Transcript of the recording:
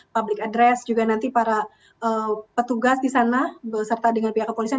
public address juga nanti para petugas di sana beserta dengan pihak kepolisian